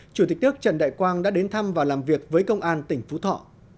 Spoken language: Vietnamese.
chủ tịch nước trần đại quang đã đến thăm và làm việc với công an tỉnh phú thọ